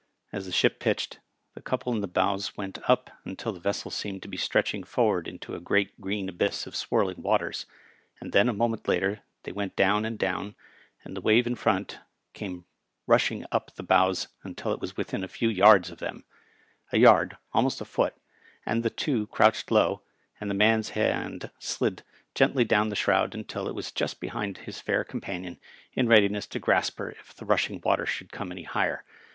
As the ship pitched, the couple in the bows went ap until tbe vessel seemed to be stretching forward into a great green abyss of swirling waters, and then a moment later they went down and down, and the wave in front came rushing up the bows antil it was within a few yards of them — a yard, almost a foot — and the two crouched low, and the man's hand slid gently down the shroud till it was just behind his fair companion, in readiness to grasp her if the rushing water should come any higher.